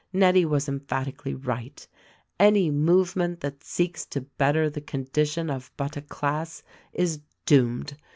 Nettie was emphatically right: Any movement that seeks to better the condition of but a class is doomed.